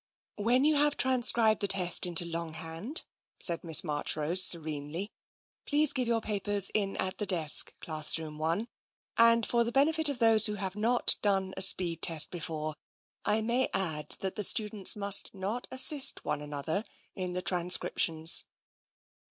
"When you have transcribed the test into long hand,'* said Miss Marchrose serenely, " please give your papers in at the desk. Classroom I, and for the bene fit of those who have not done a speed test before I may add that the students must not assist one another in the transcriptions."